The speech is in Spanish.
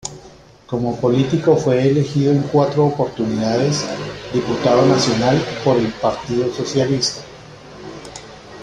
Como político fue elegido en cuatro oportunidades diputado nacional por el Partido Socialista.